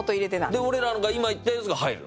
で俺らが今言ったやつが入るの？